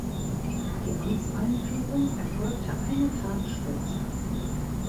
Die Amtseinführung erfolgte einen Tag später.